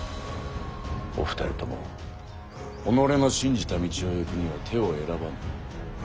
お二人とも己の信じた道を行くには手を選ばぬ。